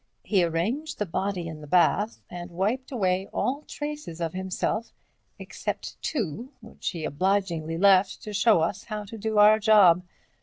He arranged the body in the bath, and wiped away all traces of himself except two, which he obligingly left to show us how to do our job.